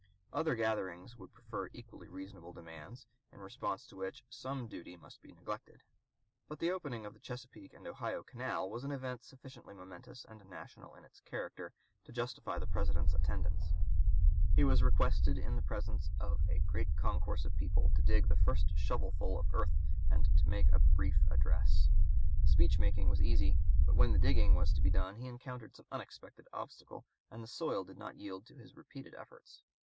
Other gatherings would prefer equally reasonable demands, in responding to which "some duty must be neglected." But the opening of the Chesapeake and Ohio Canal was an event sufficiently momentous and national in its character to (p. 195) justify the President's attendance. He was requested in the presence of a great concourse of people to dig the first shovelful of earth and to make a brief address. The speech making was easy; but when the digging was to be done he encountered some unexpected obstacle and the soil did not yield to his repeated efforts.